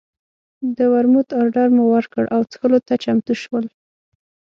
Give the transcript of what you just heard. د ورموت اډر مو ورکړ او څښلو ته چمتو شول.